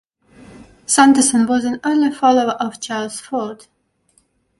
Sanderson was an early follower of Charles Fort.